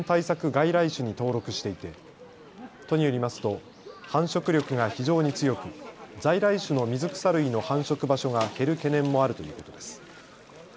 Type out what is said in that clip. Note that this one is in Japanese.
外来種に登録していて都によりますと繁殖力が非常に強く在来種の水草類の繁殖場所が減る懸念もあるということです。